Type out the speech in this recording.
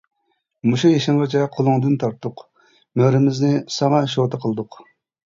مۇشۇ يېشىڭغىچە قولۇڭدىن تارتتۇق، مۈرىمىزنى ساڭا شوتا قىلدۇق.